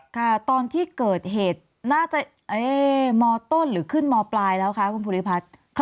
ค่ะตอนที่เกิดเหตุน่าจะมต้นหรือขึ้นมปลายแล้วคะคุณภูริพัฒน์